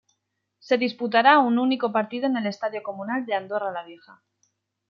Se disputará a un único partido en el Estadio Comunal de Andorra la Vieja.